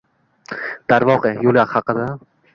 Darvoqe, yo‘l haqida.